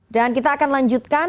dan kita akan lanjutkan